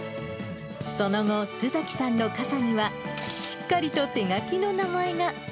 その後、須崎さんの傘には、しっかりと手書きの名前が。